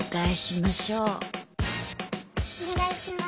お願いします。